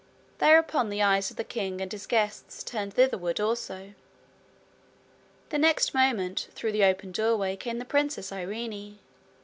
Thereupon the eyes of the king and his guests turned thitherward also. The next moment, through the open doorway came the princess Irene.